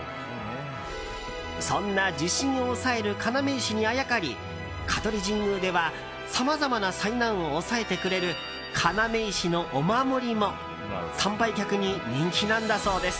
そんな地震を抑える要石にあやかり香取神宮ではさまざまな災難を抑えてくれる要石のお守りも参拝客に人気なんだそうです。